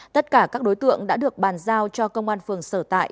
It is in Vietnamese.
tất cả các đối tượng đã được bàn giao cho công an phường sở tại